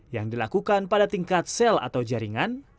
yang dilakukan pada tingkat sel atau jaringan